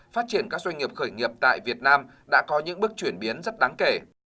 phát triển các doanh nghiệp khởi nghiệp tại việt nam đã có những bước chuyển biến rất đáng kể